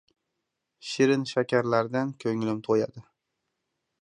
Shirin-shakarlardan ko‘nglim to‘yadi.